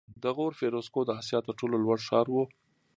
د غور فیروزکوه د اسیا تر ټولو لوړ ښار و